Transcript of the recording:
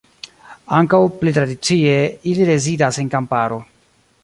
Ankaŭ, pli tradicie, ili rezidas en kamparo.